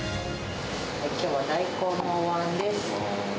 きょうは大根のおわんです。